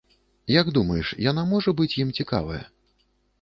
Як думаеш, яна можа быць ім цікавая?